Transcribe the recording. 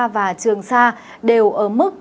và trường sa đều ở mức